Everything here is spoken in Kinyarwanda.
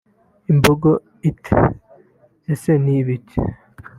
Imbogo iti “Ese ni ibiki